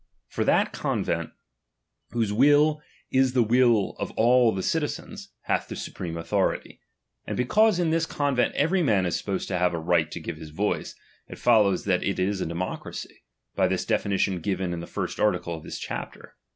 For that convent, whose will is the will of all the citi zens, hath the supreme authority ; and because in this convent every man is supposed to have a right to give his voice, it folio vvs that it is a democracy, l)y the definition given in the first article of this chapter.